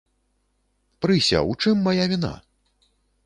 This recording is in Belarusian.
Прыся, у чым мая віна?